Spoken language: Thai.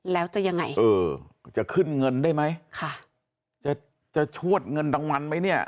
แล้วจะยังไงเออจะขึ้นเงินได้ไหมค่ะจะจะชวดเงินรางวัลไหมเนี่ย